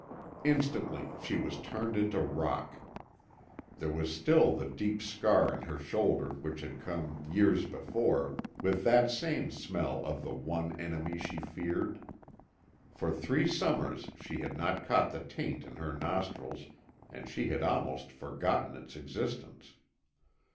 Instantly she was turned into rock. There was still the deep scar in her shoulder which had come, years before, with that same smell of the one enemy she feared. For three summers she had not caught the taint in her nostrils and she had almost forgotten its existence.